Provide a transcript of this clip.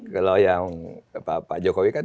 kalau yang pak jokowi kan